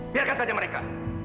biarkan saja mereka